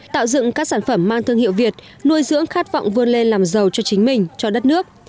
tạo dựng các sản phẩm mang thương hiệu việt nuôi dưỡng khát vọng vươn lên làm giàu cho chính mình cho đất nước